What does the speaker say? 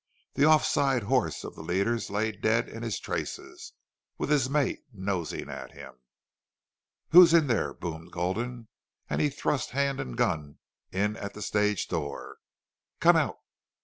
The off side horse of the leaders lay dead in his traces, with his mate nosing at him. "Who's in there?" boomed Gulden, and he thrust hand and gun in at the stage door. "Come out!"